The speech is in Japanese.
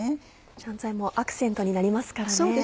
香菜もアクセントになりますからね。